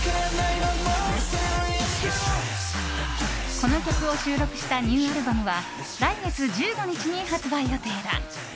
この曲を収録したニューアルバムは来月１５日に発売予定だ。